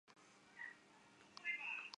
鼹形田鼠属等数种哺乳动物。